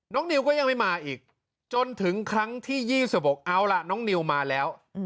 น้องนิวก็ยังไม่มาอีกจนถึงครั้งที่๒๖น้องนิวใหม่เอาล่ะนะ